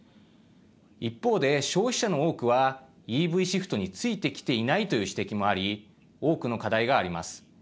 一方で、消費者の多くはＥＶシフトについてきていないという指摘もあり多くの課題があります。